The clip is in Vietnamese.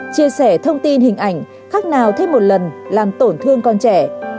chia sẻ thông tin hình ảnh khác nào thêm một lần làm tổn thương con trẻ